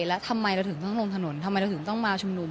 แล้วทำไมเราถึงต้องลงถนนทำไมเราถึงต้องมาชุมนุม